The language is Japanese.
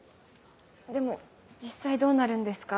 でも実際どうなるんですか？